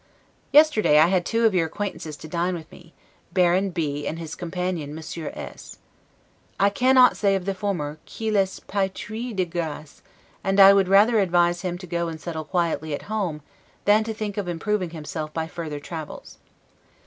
Yesterday I had two of your acquaintances to dine with me, Baron B. and his companion Monsieur S. I cannot say of the former, 'qu'il est paitri de graces'; and I would rather advise him to go and settle quietly at home, than to think of improving himself by further travels.